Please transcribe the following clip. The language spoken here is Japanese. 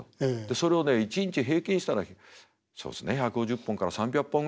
それをね一日平均したらそうですね１５０本から３００本ぐらいの電話の苦情。